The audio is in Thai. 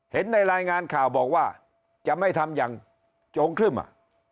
เห็นในรายงานข่าวบอกว่าจะไม่ทำอย่างโจงครึ่มอ่ะ